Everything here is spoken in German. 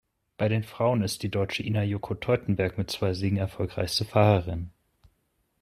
Bei den Frauen ist die Deutsche Ina-Yoko Teutenberg mit zwei Siegen erfolgreichste Fahrerin.